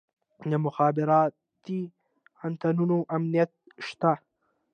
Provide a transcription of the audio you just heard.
د مخابراتي انتنونو امنیت شته؟